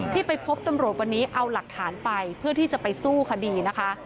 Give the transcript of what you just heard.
ที่ไปพบตำรวจวันนี้เอาหลักฐานไปเพื่อที่จะไปสู้คดีนะคะ